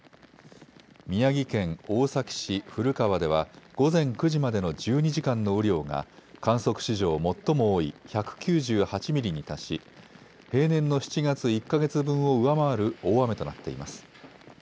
宮城県大崎市古川では午前９時までの１２時間の雨量が観測史上最も多い１９８ミリに達し平年の７月１か月分を上回る大雨となっています。